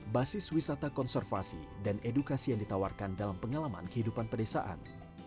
basis wisata konservasi dan edukasi yang ditawarkan dalam pengalaman kehidupan pedesaan